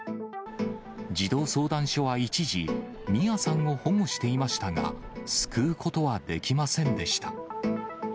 児童相談所は一時、心愛さんを保護していましたが、救うことはできませんでした。